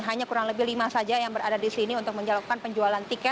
hanya kurang lebih lima saja yang berada di sini untuk menjalankan penjualan tiket